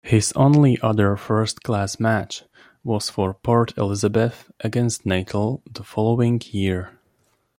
His only other first-class match was for Port Elizabeth against Natal the following year.